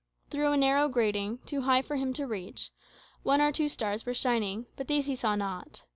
Through a narrow grating, too high for him to reach, one or two stars were shining; but these he saw not.